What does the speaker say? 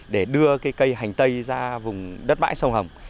để đưa cái cây hành tây ra vùng đất bãi sông hồng